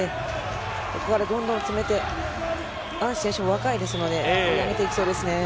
ここからどんどん詰めてアンシュ選手も若いですので攻めていきそうですね。